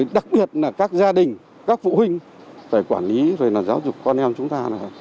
đặc biệt là các gia đình các phụ huynh quản lý giáo dục con em chúng ta